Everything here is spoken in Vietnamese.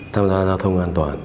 tham gia giao thông an toàn